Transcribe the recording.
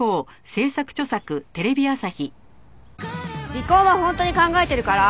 離婚は本当に考えてるから。